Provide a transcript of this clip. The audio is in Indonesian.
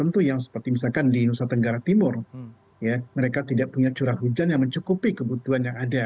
tentu yang seperti misalkan di nusa tenggara timur mereka tidak punya curah hujan yang mencukupi kebutuhan yang ada